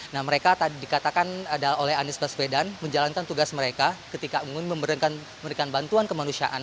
nah mereka tadi dikatakan oleh anies baswedan menjalankan tugas mereka ketika ingin memberikan bantuan kemanusiaan